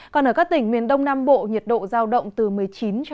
còn ở các tỉnh miền đông nam bộ nhiệt độ giao động từ một mươi chín cho đến hai mươi một độ